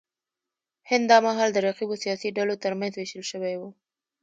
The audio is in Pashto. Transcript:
هند دا مهال د رقیبو سیاسي ډلو ترمنځ وېشل شوی و.